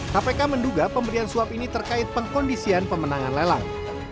kpk menduga pemberian suap ini terkait pengkondisian pemenangan lelang